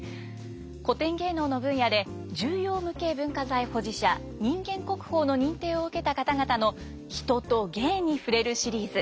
古典芸能の分野で重要無形文化財保持者人間国宝の認定を受けた方々の「人と芸」に触れるシリーズ。